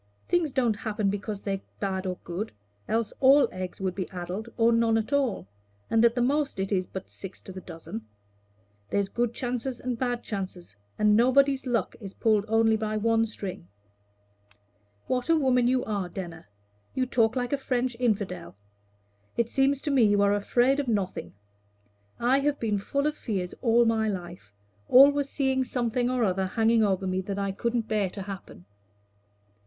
Things don't happen because they're bad or good, else all eggs would be addled or none at all, and at the most it is but six to the dozen. There's good chances and bad chances, and nobody's luck is pulled only by one string." "What a woman you are, Denner! You talk like a French infidel. It seems to me you are afraid of nothing. I have been full of fears all my life always seeing something or other hanging over me that I couldn't bear to happen."